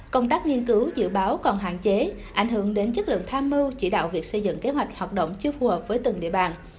công tác nghiên cứu dự báo còn hạn chế ảnh hưởng đến chất lượng tham mưu chỉ đạo việc xây dựng kế hoạch hoạt động chưa phù hợp với từng địa bàn